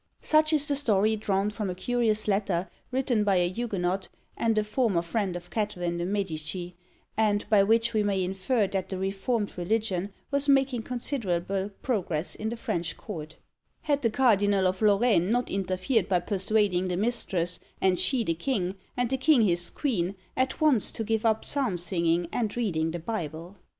Such is the story drawn from a curious letter, written by a Huguenot, and a former friend of Catharine de' Medici, and by which we may infer that the reformed religion was making considerable progress in the French Court, had the Cardinal of Lorraine not interfered by persuading the mistress, and she the king, and the king his queen, at once to give up psalm singing and reading the Bible!